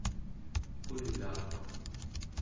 pulauq